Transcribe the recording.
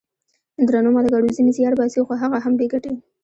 درنو ملګرو ! ځینې زیار باسي خو هغه هم بې ګټې!